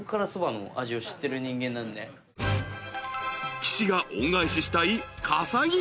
［岸が恩返ししたい］